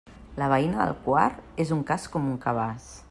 La veïna del quart és un cas com un cabàs.